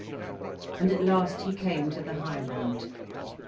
And at last he came to the high road.